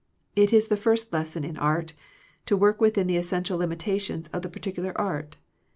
It is the first lesson in art, to work within the essential limitations of the particular art.